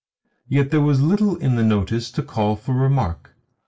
Yet there was little in the notice to call for remark.